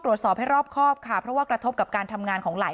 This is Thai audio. ตรวจสอบให้รอบครอบค่ะเพราะว่ากระทบกับการทำงานของหลาย